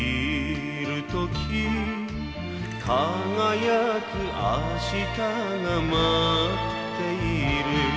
「輝く明日が待っている」